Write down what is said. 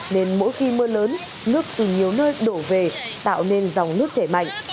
nên mỗi khi mưa lớn nước từ nhiều nơi đổ về tạo nên dòng nước chảy mạnh